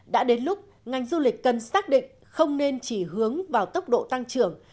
đã đến lúc ngành du lịch cần xác định không nên chỉ hướng vào tốc độ tăng trưởng